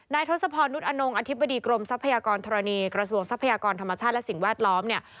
ทศพรนุษย์อนงอธิบดีกรมทรัพยากรธรณีกระทรวงทรัพยากรธรรมชาติและสิ่งแวดล้อมเนี่ย